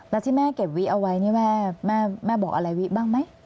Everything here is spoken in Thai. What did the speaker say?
แล้วที่แม่เก็บวิเอาไว้นี่แม่บอกอะไรวิบ้างไหม